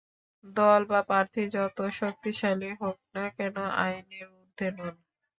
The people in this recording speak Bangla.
দল বা প্রার্থী যত শক্তিশালী হোক না কেন, আইনের ঊর্ধ্বে নন।